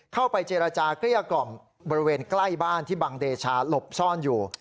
เข้าไปเจรจาเกลี้ยกล่อมบริเวณใกล้บ้านที่บังเดชาหลบซ่อนอยู่